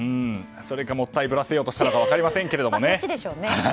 それかもったいぶらせようとしたのか分かりませんけどもね。